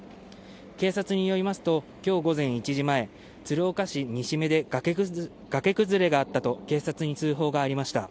警察によりますと、きょう午前１時前、鶴岡市西目で崖崩れがあったと警察に通報がありました。